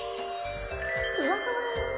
ふわふわ。